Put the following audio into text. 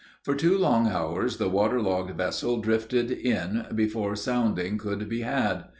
For two long hours the water logged vessel drifted in, before soundings could be had.